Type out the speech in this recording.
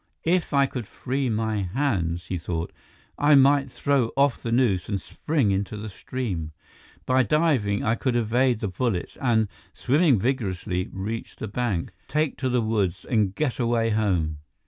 "If I could free my hands," he thought, "I might throw off the noose and spring into the stream. By diving I could evade the bullets and, swimming vigorously, reach the bank, take to the woods and get away home.